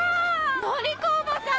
典子おばさん！